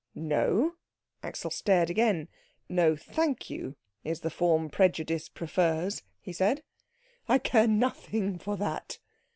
"No?" Axel stared again. "'No thank you' is the form prejudice prefers," he said. "I care nothing for that."